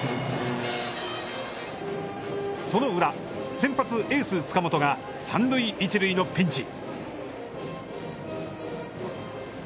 その裏、先発エース塚本が三塁一塁のピンチ。